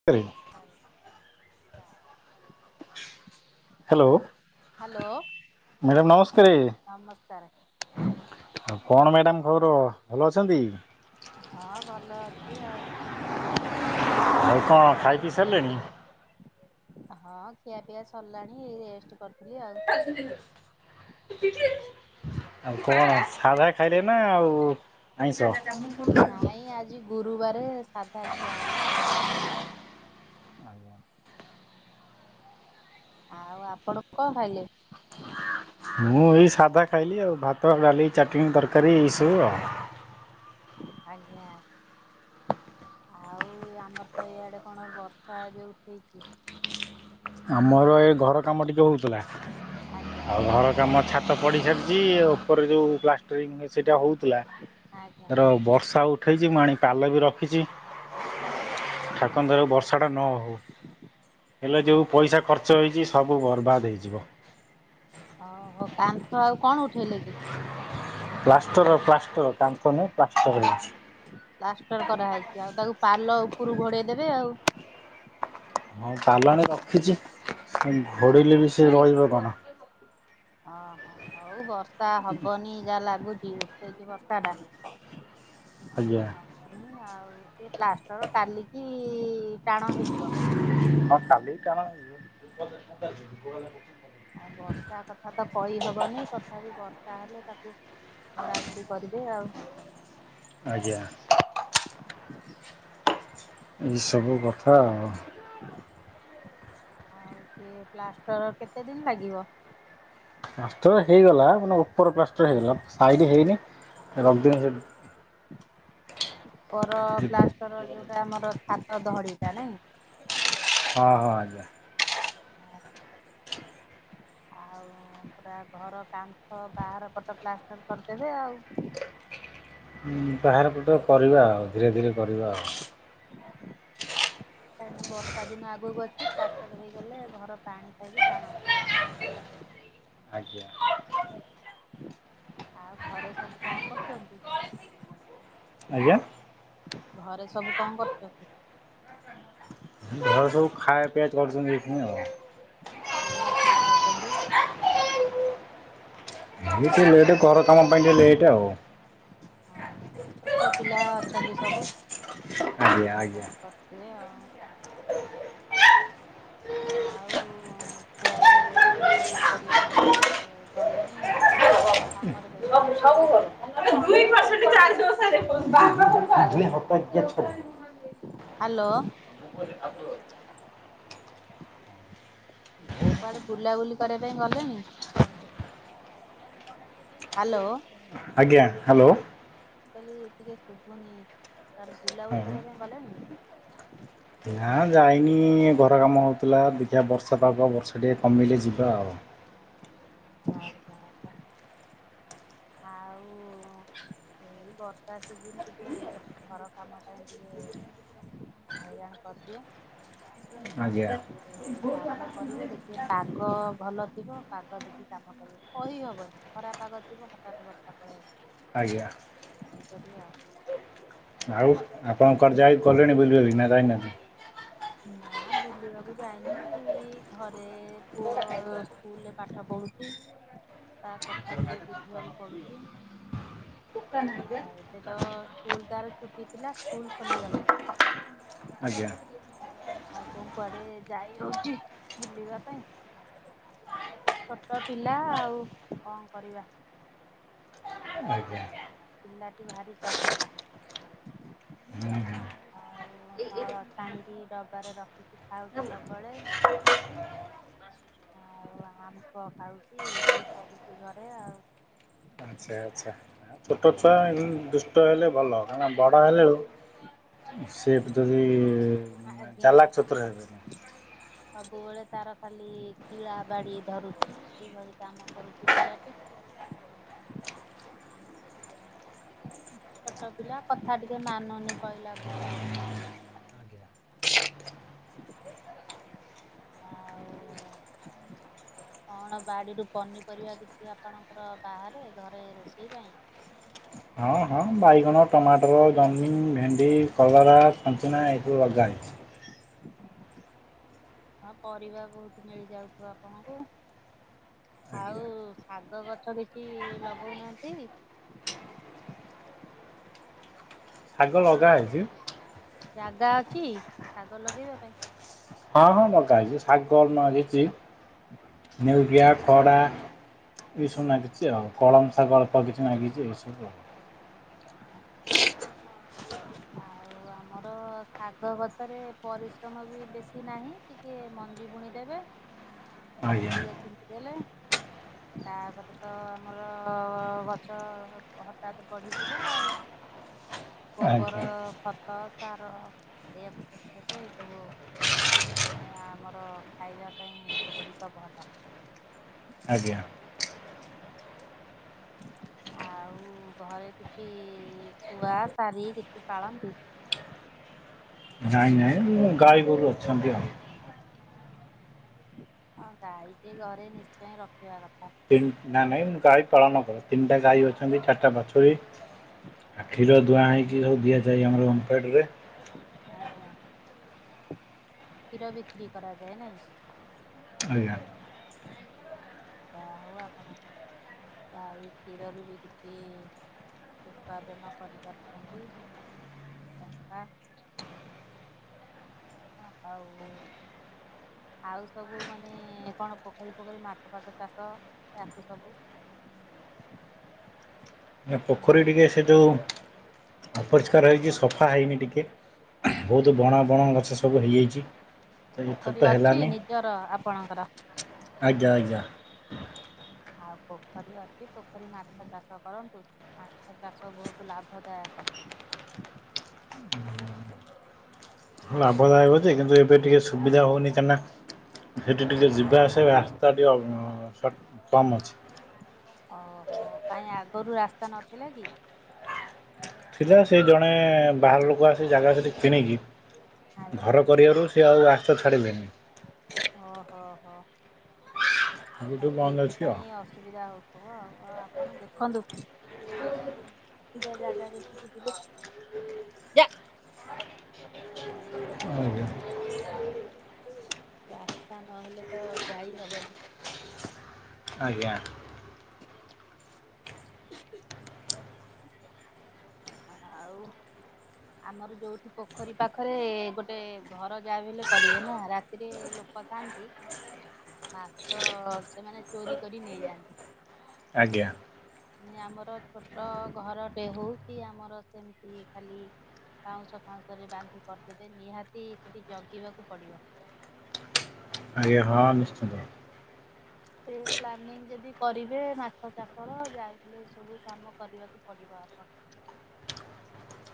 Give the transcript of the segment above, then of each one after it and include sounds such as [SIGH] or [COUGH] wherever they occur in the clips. [UNINTELLIGIBLE] [UNINTELLIGIBLE] Hello madam ନମସ୍କାରେ ନମସ୍କାରେ ଆଉ କଣ ମ୍ୟାଡାମ୍ ଖବର ଭଲ ଅଛନ୍ତି? ହଁ ଭଲ ଅଛିି ଆଉ। ଆଉ କଣ ଖାଇ ପିଇ ଖାଇସାଇଲେଣି? ସାରିଲେଣି? ହଁ ଖିଆ ପିଆ ସରିଲାଣି ଏଇ ରେଷ୍ଟ କରୁଥିଲି ଆଉ [UNINTELLIGIBLE] ଆଉ କଣ ସାଧା ଖାଇଲେ ନା ଆଉ ଆଇଁଷ? ନାଇଁ ଆଜି ଗୁରୁବାରେ ସାଧା ଖିଆ ହେଲା ଆଉ। ଆଉ ଆପଣ କଣ ଖାଇଲେ? ମୁଁ ଏଇ ସାଧା ଖାଇଲି ଆଉ ଭାତ ଡାଲି ଚାଟଣି ତରକାରୀ ଏଇ ସବୁ ଆଉ ଆଜ୍ଞା। ଆଉ ୟାମର ତ ଏଇଆଡ଼େ କଣ ବର୍ଷା ଏବେ ଉଠେଇଛି ଆମର ଏ ଘର କାମ ଟିକେ ହଉଥିଲା ଆଜ୍ଞା ଆଉ ଘର କାମ ଛା ତ ପଡ଼ି ସାରିଛି ଉପରେ ଯୋଉ ପ୍ଲାଷ୍ଟରିଙ୍ଗ ସେଇଟା ହଉଥିଲା ଆଜ୍ଞା। ର ବର୍ଷା ଉ ଠେଇଛି ମୁଁ ଆଣି ପାଲ ବି ରଖିଛି ଠାକୁରଙ୍କ ଦୟାରୁ ବର୍ଷା ଟା ନ ହଉ ହେଲେ ଯୋଉ ଆଜ୍ଞା ଇସା ଖର୍ଚ୍ଚ ହେଇଛି ସବୁ ବର୍ବାଦ ହେଇଯିବ। ଅ ହ କାନ୍ଥ ଆଉ କଣ ଉଠେଇଲେ କି? ପ୍ଲାଷ୍ଟର ପ୍ଲାଷ୍ଟର କାନ୍ଥ ନୁହଁ ପ୍ଲାଷ୍ଟର ହେଇଛି। ପ୍ଲାଷ୍ଟର କରାହେଇଛି ଆଉ ତାକୁ ପାଲ ଉପରୁ ଘୋଡେ଼ଇ ଦେବେ ଆଉ ହଁ ଚାଲାଣ ରଖିଛି ଘୋଡେ଼ଇଲେ ବି ସେ ରହିବ କଣ? ଓହୋ ହଉ ବର୍ଷା ହବନି ଯାହା ଲାଗୁଚି ଉଠେଇଚି ବର୍ଷାଟା ଆଜ୍ଞା। ହବନି ଆଉ ସେ ପ୍ଲାଷ୍ଟର କାଲିକି ଟାଣ ହେଇଯିବ। ହଁ କଲିକି ଟାଣ ଆଉ ବର୍ଷା କଥା ତ କଇହବନି, ତଥାପି ବର୍ଷା ହେଲେ ତାକୁ ଘୋଡ଼ାଘୋଡି କରିବେ ଆଉ। ଆଜ୍ଞା। ଏଇସବୁ କଥା ଆଉ। ହଁ ଆଉ ସେ ପ୍ଲାଷ୍ଟର କେତେ ଦିନ୍ ଲାଗିବ? ପ୍ଲାଷ୍ଟର ହେଇଗଲା ମାନେ ଓପର ପ୍ଲାଷ୍ଟର ହେଇଗଲା, ସାଇଡ଼ ହେଇନି [UNINTELLIGIBLE] ଓପର ପ୍ଲାଷ୍ଟର ଯୋଉଟା ଆମର ଛାତ ଧଡିଟା ନାଇଁ? ହଁ-ହଁ ଆଜ୍ଞା। ହ ଆଉ ପୁରା ଘର କାନ୍ଥ ବାହାର ପଟ ପ୍ଲାଷ୍ଟର୍ କରିଦେବେ ଆଉ। ହୁଁ ବାହାର ପଟ କରିବା ଆଉ, ଧୀରେ-ଧୀରେ କରିବା ଆଉ। କାହିଁକି ନା ବର୍ଷା ଦିନ ଆଗକୁ ଅଛି ପ୍ଲାଷ୍ଟର ହେଇଗଲେ ଘର ପାଣି ଖାଇକି ଟାଣ ହେଇଯିବ। ଆଜ୍ଞା। ଆଉ ଘରେ ସବୁ କଣ କରୁଚନ୍ତି? ଆଜ୍ଞା? ଘରେ ସବୁ କଣ କରୁଚନ୍ତି? ଘରେ ସବୁ ଖାଇବା ପିଆବା କରୁଚନ୍ତି ଏଇଖିଣୀ ଆଉ। [UNINTELLIGIBLE] ଖାଉଚନ୍ତି। [UNINTELLIGIBLE] ଟିକେ ଲେଟ୍ ଘର କାମ ପାଇଁ ଟିକେ ଲେ ଟ୍ ଆଉ। ହଁ ଛୋଟ ପିଲା ଅଛନ୍ତି ସବୁ ଆଜ୍ଞା [UNINTELLIGIBLE] ଆଜ୍ଞା। ହଇରାଣ କର ଥିବେ ଆଉ। ଆଉ କୁଆଡେ ବୁଲାବୁଲି କରିବାକୁ କୁଆଡେ ଗଲେଣି? ଆଜ୍ଞା କାମରେ ବେଶ୍ [INAUDIBLE] ହାଲୋ। [INAUDIBLE] ହଁ କୁଆଡେ ବୁଲାବୁଲି କରିବା ପାଇଁ ଗଲେଣି? ହାଲୋ। ଆଜ୍ଞା, ହାଲୋ। ମୁ କଲଲି ଟିକେ ଶୁଭୁନି [UNINTELLIGIBLE] ବୁଲାବୁଲି କରିବା ପାଇଁ ଗଲେଣି? ନା ଯାଇନି ଏ ଘର କାମ ହେଉଥିଲା ଦେଖିଆ ବର୍ଷା ପାଗ, ବର୍ଷା ଟିକେ କମିଲେ ଯିବା ଆଉ। ହଁ। ଆଉ ଏଇ ବର୍ଷା ସିଜିନ୍ ଟିକେ ଘର କାମ ପାଇଁ ଟିକେ ହଇରାଣ କରିଦିଏ। ଆଜ୍ଞା। କାମ କରିବେ ଦେଖିବେ ପାଗ ଭଲ ଥିବ ପାଗ ଦେଖି କାମ କରିବେ। କହିହବନି ଖରାପ ପାଗ ଥିବ ହଠାତ୍ ବର୍ଷା ପଳେଇ ଆସିବ। ଆଜ୍ଞା। [UNINTELLIGIBLE] ଆଉ ଆପଣ କୁଆଡେ ଯାଇ ଗଲେଣି ବୁଲି ବାଲିକି ନା ଯାଇନାହାନ୍ତି? ନା ବୁଲିବାକୁ ଯାଇନୁ, ଏଇ ଘରେ ପୁଅ ସ୍କୁଲରେ ପାଠ ପଢୁଚି। ହଁ ତା କଥା ଟିକେ ବୁଝିବାକୁ ପଡୁଚି। ଆଉ ଏବେ ତ ସ୍କୁଲ୍ ତାର ଛୁଟି ଥିଲା ସ୍କୁଲ୍ ଖୋଲିଗଲାଣି। ଆଜ୍ଞା। ଆଉ କଣ କୁଆଡେ ଯାଇ ହଉଚି ବୁଲିବା ପାଇଁ। ଛୋଟ ପିଲା ଆଉ କଣ କରିବା। ଆଜ୍ଞା। ପିଲାଟି ଭାରି ଚଗଲା। ଆଉ ହୁଁ ନଳ ଛାଣିକି ଡବାରେ ରଖିଚି ଖାଉଚି ହୁଁ। ସବୁବେଳେ। ଆଉ ଆମ୍ୱ ଖାଉଚି, ଏଇଭଳି କରୁଚି ଘରେ ଆଉ। ହ ଆଚ୍ଛା ଆଚ୍ଛା। ଛୋଟ ଛୁଆ ଦୁଷ୍ଟ ହେଲେ ଭଲ। କାହିଁକି ବଡ ହେଲା ବେଳ କୁ ସେ ଯଦି ଆଜ୍ଞା। ହ ସବୁବେଳେ ତାର ଖାଲି କିଳା ବାଡି ଧରୁଚି, ଏଇଭଳି କାମ କରୁଚି ପିଲାଟି। ଛୋଟ ପିଲା କଥା ଟିକେ ମାନୁନି କହିଲାକୁ ଆଉ। ଆଉ କଣ ବାଡ଼ିରୁ ପନିପରିବା କିଛି ଆପଣଙ୍କର ବାହାରେ ଘରେ ରୋଷେଇ ପାଇଁ? ହଁ ହଁ ବାଇଗଣ, ଟମାଟର, ଜହ୍ନି, ଭେଣ୍ଡି, କଲରା, ସଞ୍ଚନା ଏସବୁ ଲଗା ହେଇଚି। [INAUDIBLE] ହଁ ପରିବା ବହୁତ୍ ମିଳିଯାଉଥିବ ଆପଣଙ୍କୁ। ଆଉ ଆଜ୍ଞା ଶାଗ ଗଛ କିଛି ଲଗଉନାହାନ୍ତି? ଶାଗ ଲଗା ହେଇଛି ଆପଣଙ୍କ ଜାଗା ଅଛି ଶାଗ ଲଗେଇବା ପାଇଁ? ହଁ ହଁ ଲଗାହେଇଚି। ଶାଗ ଲାଗିଚି। ନେଉଟିଆ, ଖଡା ଏଇ ସବୁ ନାଗିଚି ଆଉ। କଳମ ଶାଗ ଅଳ୍ପ କିଛି ନାଗିଚି। ଏଇ ସବୁ ଆଉ। [UNINTELLIGIBLE] ହ ଆଉ ଆମର ଶାଗ ଗଛ ରେ ପରିଶ୍ରମ ବି ବେଶୀ ନାହିଁ। ଟିକିଏ ମଞ୍ଜି ବୁଣି ଦେବେ। ହ ପାଣି ଟିକେ ଛିଞ୍ଚି ଦେଲେ ତାପରେ ତ ଆମର ଗଛ ହଠାତ୍ ବଢି ଯିବ ଆଉ। ଗୋବର, ଆଜ୍ଞା ଖ ତ, ସାର ଏଇଆ କୁ [UNINTELLIGIBLE] ସବୁ ମାନେ ଆମର ଖାଇବା ପାଇଁ ସେଗୁଡ଼ିକ ଭଲ। ଆଜ୍ଞା। ଆଉ ଘରେ କିଛି ଶୁଆ, ଶାରୀ କିଛି ପାଳନ୍ତି? ନାଇଁ ନାଇଁ ଗାଈ ଗୋରୁ ଅଛନ୍ତି ଆଉ। ହଁ ଗାଈଟେ ଘରେ ନିଶ୍ଚୟ ରଖିବା କଥା। ତିନ ନା ନାଇଁ ମୁଁ ଗାଈ ପାଳନ କର ତିନିଟା ଗାଈ ଅଛନ୍ତି ଚାରିଟା ବାଛୁରୀ। ଆଉ କ୍ଷୀର ଦୁହାଁ ହେଇକି ସବୁ ଦିଆଯାଏ ଆମର ହୋମଫେଡରେ। ଆଜ୍ଞା କ୍ଷୀର ବିକ୍ରି କରାଯାଏ ନାଇଁ। ଆଜ୍ଞା। [INAUDIBLE] ଯା ହଉ ଆପଣ ଗାଈ କ୍ଷୀରରୁ ବି କିଛି ଉପାର୍ଜନା କରିପାରୁଚନ୍ତି। ଅଃ ଆ ଅଁ ଆଉ ଆଉ ସବୁ ମାନେ କଣ ପୋଖରୀ ଫୋଖରୀ ମାଛ ଫାସ ଚାଷ ଆକୁ ସବୁ ପୋଖରୀ ଟିକେ ସେ ଯୋଉ ଅପରିଷ୍କାର ହେଇଚି ସଫା ହେଇନି ଟିକେ। ବହୁତ ବଣ ବଣ ଗଛ ସବୁ ହେଇଯାଇଚ଼ି। ପୋଖରୀ ଅଛି ନିଜର ଆପଣଙ୍କର? ଆଜ୍ଞା ଆଜ୍ଞା। ଆଉ ପୋଖରୀ ଅଛି ପୋଖରୀ ମାଛ ଚାଷ କରନ୍ତୁ। ମାଛ ଚାଷ ବହୁତୁ ଲାଭଦାୟକ। ହଉ ଆଉ ଲାଭଦାୟକ ଏଇ ଯେ କିନ୍ତୁ ଏବେ ଟିକେ ସୁବିଧା ହଉନି କାହିଁନା ସେଠି ଟିକେ ଯିବା ଆସିଆ ରାସ୍ତା ଟିକେ ଉଁ ସଟ୍ କମ୍ ଅଛି। ଅହୋ କାଇଁ ଆଗରୁ ରାସ୍ତା ନଥିଲା କି? ଥିଲା ସେ ଜଣେ ବାହାର ଲୋକ ଆସି ଜାଗା ସେଠି କିଣିକି ଆଜ୍ଞା ଘର କରିଆରୁ ସେ ଆଉ ରାସ୍ତା ଛାଡ଼ିଲେନି। ଅହ ହ ଆ ସେଇଠୁ ବନ୍ଦ ଅଛି ଆଉ ସେଇଥିପାଇଁ ଅସୁ ସୁବିଧା ହଉଥୁବ ଆ ଆପଣ ଦେଖନ୍ତୁ। ନିଜ ଜାଗା ଦେଖିକି ଯିବେ। ଯାଇଁକି ଘର ଫର ଆଜ୍ଞା କରିବେ ସେ ଆ ରାସ୍ତା ନହେଲେ ତ ଯାଇ ହବନି। ଆଜ୍ଞା। [INAUDIBLE] ଅଁ ଅ ଆଉ ଆମର ଯୋଉଠି ପୋଖରୀ ପାଖରେ ଗୋଟେ ଘର ଯାହାବିହେଲେ କରିବେ ନା ରାତିରେ ଲୋ ପକାନ୍ତି। [INAUDIBLE] ମାଛ ସେମାନେ ଚୋରି କରି ନେଇଯାଆନ୍ତି। ଆଜ୍ଞା। ନି ଆମର ଛୋଟ ଘରଟେ ହୋଉ ଆମର ସେମିତି ଖାଲି ବାଉଁଶ ଫାଉଁଶ ରେ ବାନ୍ଧି ପାରୁଥିବେ ନିହାତି ସେଠି ଜଗିବାକୁ ପଡିବ। ଆଜ୍ଞା ହଁ ନିଶ୍ଚିନ୍ତ। ସେ ପ୍ଲାନିଂ ଯଦି କରିବେ ମାଛ ଚାଷର ଯାଇହେଲେ ସବୁ କାମ କରିବାକୁ ପଡିବ ଆପଣ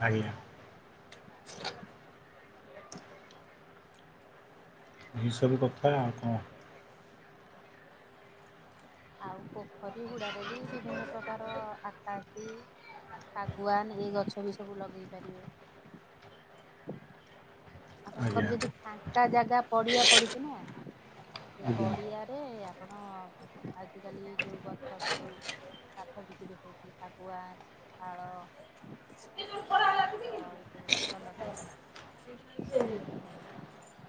ଆଜ୍ଞା। ଏସବୁ କଥା ଆଉ କଁ। ଆଉ ପୋଖରୀ ହୁଡ଼ାରେ ବି ବିଭିନ୍ନ ପ୍ରକାର ଆକାସି ଶାଗୁଆନ୍ ଏ ଗଛ ବି ସବୁ ଲଗେଇ ପାରିବେ। [INAUDIBLE] ଆପଣଙ୍କର ଆଜ୍ଞା ଯଦି ଫା କା ଜାଗା ପଡ଼ିଆ ପଡ଼ିଚ଼ି ନା ସେ ଆଜ୍ଞା ପଡ଼ିଆରେ ଆପଣ ଆଜିକାଲି ଯୋଉ ଗଛ ସବୁ କାଠ ବିିକିରି ହଉଚ଼ି ଶାଗୁଆନ୍, ଶାଳ ଆମର ଏଇ ସବୁ ଗଛ ଲଗେଇଚ଼ନ୍ତି। [UNINTELLIGIBLE]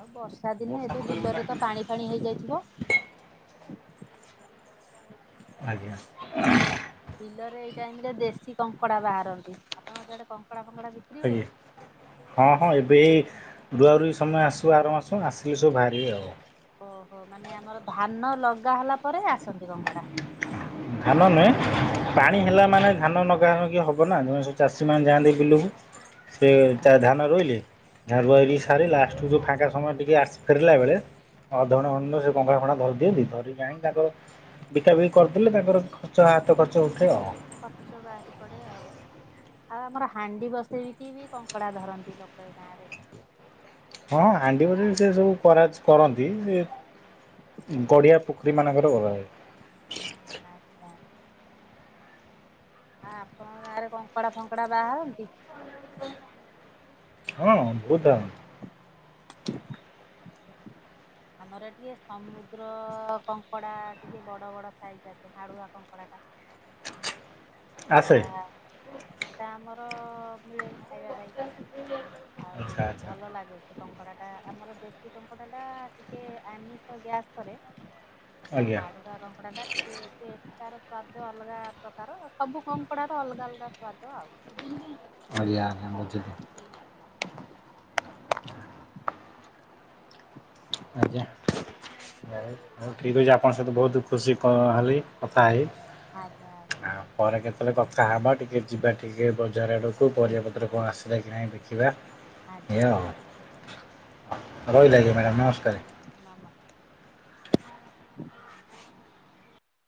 ଆଉ ବର୍ଷା ଦିନେ ଏବେ ବିଲରେ ତ ପାଣି ଫାଣି ହେଇଯାଇଥିବ? ଆଜ୍ଞା [INAUDIBLE] ବିଲରେ ଏଇ ଟାଇମ୍ ରେ ବେଶୀ କଙ୍କଡା ବାହାରନ୍ତି ଆପଣଙ୍କ ସିଆଡେ କଙ୍କଡା ଫଙ୍କଡା ବି ଆଜ୍ଞା। ହଁ ହଁ ଏବେ ରୁଆରୁଇ ସମୟ ଆସିବ ଆର ମାସ ଆସିଲେ ସବୁ ବାହାରିବେ ଆଉ ଓହୋ ମାନେ ଆମର ଧାନ ଲଗା ହେଲା ପରେ ଆସନ୍ତି କଙ୍ଗଡ଼ା। ଧାନ ନୁହେଁ ପାଣି ହେଲା ମାନେ ଧାନ ନଗାଗି ହବ ନା ଜଣେ ସବୁ ଚାଷୀ ମାନେ ଯାଆନ୍ତି ବିଲକୁ। ସେ ତା ଧାମ ରହିଲ ରି ସାରିା ଫାଙ୍କା ସମୟ ଟିକେ ଆସି ଫେରିଲା ବେଳେ ହ ଧଣ ସେ କଙ୍କା ଫା ଧରିଦି ଦେଇଥାଉ। କାହି ତାଙ୍କର ବିତା ବିକ କରିଦେଲେ ତାଙ୍କର ଖର୍ଚ୍ଚ ହାତ ଖର୍ଚ୍ଚ ଉଠେ ଖର୍ଚ୍ଚ ବାହାରି ପଡେ ଆଉ। ଆଉ ଆମର ହାଣ୍ଡି ବସେଇକି ବି କଙ୍କଡା ଧରନ୍ତି ଲୋକ ଏ ଗାଁ ରେ ହଁ ହାଣ୍ଡି ସେ ସବୁ କରାଯ କରନ୍ତି ସେ ଗଡିଆ। ପୁଖରୀମାନଙ୍କରେ ଘଲଏ। ଆଚ୍ଛା। ହଁ ଆପଣଙ୍କ ଗାଁ ରେ କଙ୍କଡ଼ା ଫଙ୍କଡ଼ା ବାହାରନ୍ତି। ହଁ ବହୁଧ ଆମର ଟିକେ ସମୁଦ୍ର କଙ୍କଡା ଟିକେ ବଡ ବଡ ସାଇଜ ଆସେ ହାଡୁଆ କଙ୍କଡା ଟା। ସେଟା ଆସେ ସେଇଟା ଆମର ମିଳେ ଖାଇବା ପାଇଁ। ଆଉ ଆଚ୍ଛା ଆଚ୍ଛା ଭଲ ଲାଗେ। ସେ କଙ୍କଡା ଟା ଆମର ଦେଶୀ କଙ୍କଡା ଟା ଟିକେ ଆମିଷ ଗ୍ୟାସ୍ କରେ। ଯୋଉ ଆଜ୍ଞା। ମାଡୁୁର ର କଙ୍କଡ଼ା ଟା ଟିକେ ଟେଷ୍ଟ ତାର ସ୍ଵାଦ ଅଲଗା ପ୍ରକାର। ସବୁ କଙ୍କଡ଼ା ର ଅଲଗା ଅଲଗା ସ୍ଵାଦ ଆଉ। ଆଜ୍ଞ ଆଜ୍ଞା ବଝଧ [INAUDIBLE] ହ [UNINTELLIGIBLE] ଆଜ୍ଞାଉହୁତ ଠିକ୍ ହେଉଛି ଆପଣଙ୍କ ସହିତ ବହୁତ ଦୁଃଖ। ଖୁସି କ ହେଲି କଥା ହେଇ ଆଜ୍ଞା ଆଜ୍ଞା ଆ ପରେ କେତେବେଳେ କଥା ହେବା ଟିକେ। ଟିକେ ଯିବା ଟିକିେ ବଜାର ଆଡ଼କୁ ପରିବାପତ୍ର କଣ ଆସିଲା କି ନାହିଁ ବଖିବା। ଆଜ୍ଞା। ରହିଲ ଆଜ୍ଞା ମ୍ୟାଡ଼ାାମ ନମସ୍କାର। ନାମ। ହ [UNINTELLIGIBLE]